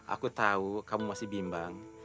aku tahu kamu masih bimbang